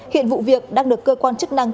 hiện vụ việc đang được cơ quan chức năng